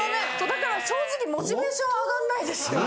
だから正直モチベーション上がんないですよね。